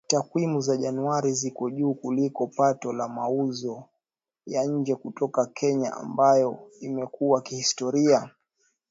Takwimu za Januari ziko juu kuliko pato la mauzo ya nje kutoka Kenya ambayo imekuwa kihistoria